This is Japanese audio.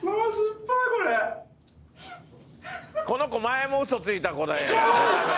「この子前もウソついた子だよ多分。